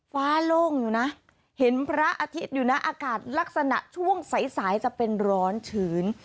ฟ้าโล่งอยู่นะเห็นพระอาทิตย์อยู่นะอากาศลักษณะช่วงสายสายจะเป็นร้อนชื้น